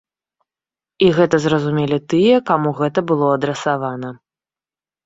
І гэта зразумелі тыя, каму гэта было адрасавана.